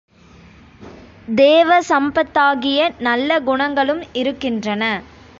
தேவ சம்பத்தாகிய நல்ல குணங்களும் இருக்கின்றன.